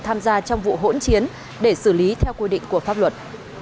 tham gia trong vụ hỗn chiến để xử lý theo quy định của pháp luật